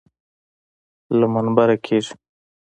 له منبره کېږي.